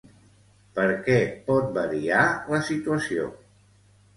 Per què pot variar la situació?